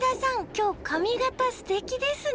今日髪形すてきですね。